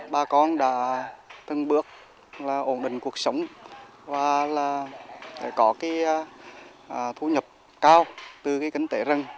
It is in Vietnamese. bà con đã từng bước ổn định cuộc sống và có thu nhập cao từ kinh tế rừng